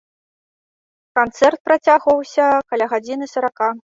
Канцэрт працягваўся каля гадзіны сарака.